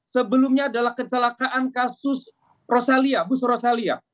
sebelumnya adalah kecelakaan kasus rosalia bus rosalia